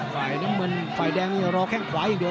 ฝ่ายน้ำเงินฝ่ายแดงนี่รอแข้งขวาอย่างเดียว